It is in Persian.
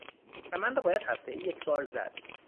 چمن را باید هفتهای یکبار زد.